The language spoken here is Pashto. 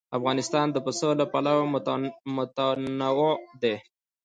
افغانستان د پسه له پلوه متنوع دی.